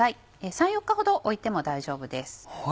３４日ほどおいても大丈夫です。